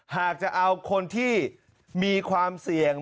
หากจะเอาคนที่มีความเสี่ยง